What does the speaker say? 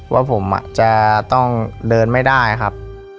ว่าผมจะต้องเดินไม่ได้ครับ